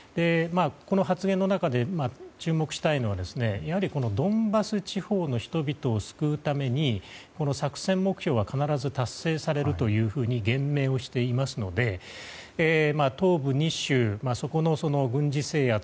この発言の中で注目したいのはやはり、ドンバス地方の人々を救うために作戦目標は必ず達成されるというふうに言明をしていますので東部２州、そこの軍事制圧。